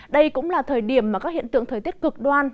đây cũng là thời điểm mà các hiện tượng thời tiết cực đoan